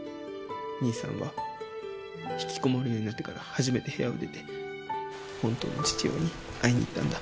兄さんは引きこもるようになってから初めて部屋を出て本当の父親に会いに行ったんだ。